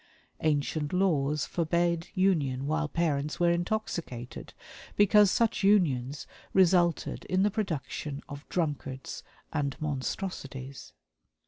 Ancient laws forbade union while parents were intoxicated, because such unions resulted in the production of drunkards and monstrosities.